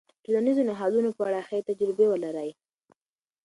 د ټولنيزو نهادونو په اړه ښې تجربې ولرئ.